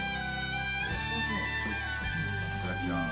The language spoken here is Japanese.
いただきます。